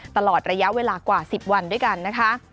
ตลอดระยะเวลากว่า๑๐วันด้วยกันนะคะ